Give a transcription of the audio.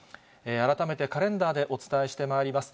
改めてカレンダーでお伝えしてまいります。